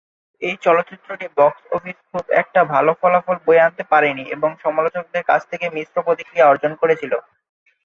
এই চলচ্চিত্রটি বক্স অফিসে খুব একটা ভাল ফলাফল বয়ে আনতে পারেনি এবং সমালোচকদের কাছ থেকে মিশ্র প্রতিক্রিয়া অর্জন করেছিল।